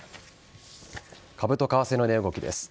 株と為替の値動きです。